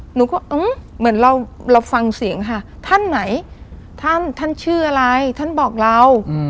หนูก็เหมือนเราเราฟังเสียงค่ะท่านไหนท่านท่านชื่ออะไรท่านบอกเรา